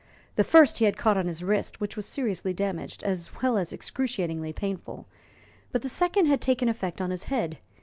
The first he had caught on his wrist, which was seriously damaged, as well as excruciatingly painful, but the second had taken effect on his head.